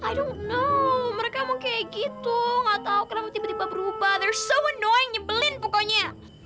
i don't know mereka mau kayak gitu gak tau kenapa tiba tiba berubah they're so annoying nyebelin pokoknya